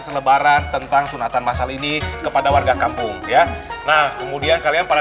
selebaran tentang sunatan masal ini kepada warga kampung ya nah kemudian kalian pada